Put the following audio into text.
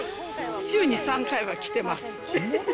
週に３回は着てます。